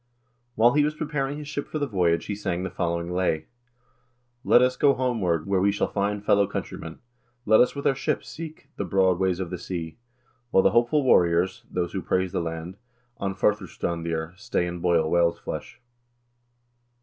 While he was preparing his ship for the voyage, he sang the following lay :" Let us go homeward, where we shall find fellow countrymen ; let us with our ship seek the broad ways of the sea, while the hopeful warriors (those who praise the land) on FurSustrandir stay and boil whales' flesh."